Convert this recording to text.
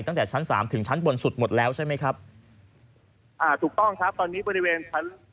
ถึงชั้นบนสุดหมดแล้วใช่ไหมครับอ่าถูกต้องครับตอนนี้บริเวณชั้น